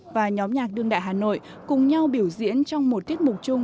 và nhóm nhạc đương đại hà nội cùng nhau biểu diễn trong một tiết mục chung